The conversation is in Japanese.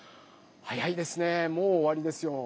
早いですねもうおわりですよ。